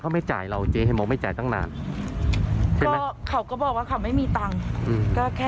เขาไม่จ่ายเราเจ๊ไม่จ่ายตั้งนานเขาก็บอกว่าเขาไม่มีตังค์ก็แค่